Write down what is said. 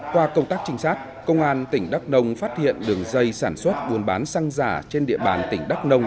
qua công tác trinh sát công an tỉnh đắk nông phát hiện đường dây sản xuất buôn bán xăng giả trên địa bàn tỉnh đắk nông